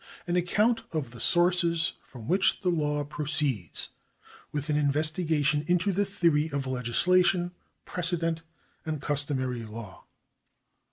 An account of the sources from which the law pro ceeds, with an investigation into the theory of legislation, precedent, and customary law.